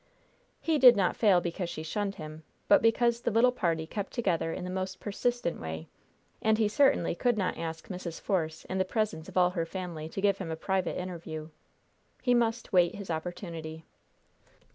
He did not fail because she shunned him, but because the little party kept together in the most persistent way, and he certainly could not ask Mrs. Force in the presence of all her family, to give him a private interview. He must wait his opportunity.